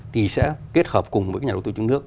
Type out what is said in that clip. thì sẽ kết hợp cùng với nhà đầu tư trong nước